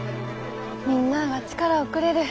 みんなあが力をくれる。